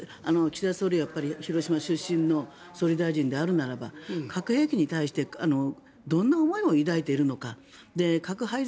岸田総理が広島出身の総理大臣であるならば核兵器に対してどんな思いを抱いているのか。